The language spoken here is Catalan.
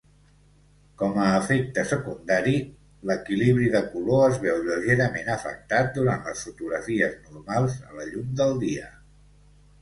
Com a efecte secundari, l'equilibri de color es veu lleugerament afectat durant les fotografies normals a la llum del dia.